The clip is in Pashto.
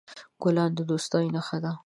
ګلان د دوستۍ نښه ده.